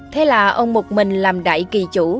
thế là ông một mình làm đại kỳ chủ